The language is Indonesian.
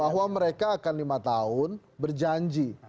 bahwa mereka akan lima tahun berjanji